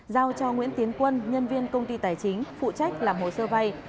giao cho nguyễn tiến quân nhân viên công ty tài chính phụ trách làm hồ sơ vay